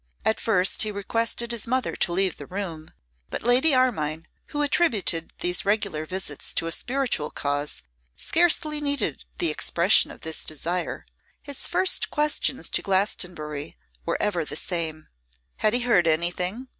At first he requested his mother to leave the room, but Lady Armine, who attributed these regular visits to a spiritual cause, scarcely needed the expression of this desire. His first questions to Glastonbury were ever the same. 'Had he heard anything?